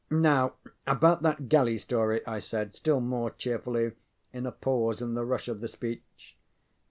ŌĆ£Now, about that galley story, ŌĆØ I said, still more cheerfully, in a pause in the rush of the speech.